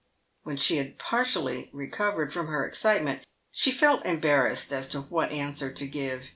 "When she had partially recovered from her excitement, she felt em barrassed as to what answer to give.